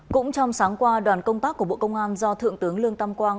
cũng trong sáng qua đoàn công tác của bộ công an do thượng tướng lương tam quang